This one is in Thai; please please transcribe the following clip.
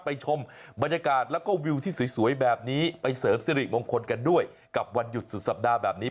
ชมบรรยากาศแล้วก็วิวที่สวยแบบนี้ไปเสริมสิริมงคลกันด้วยกับวันหยุดสุดสัปดาห์แบบนี้